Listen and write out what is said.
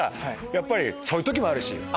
やっぱりそういう時もあるし。